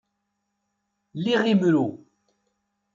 Liɣ imru.